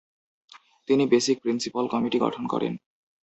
তিনি basic principle committee গঠন করেন।